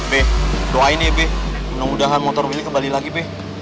be doain ya bu mudah mudahan motor mini kembali lagi be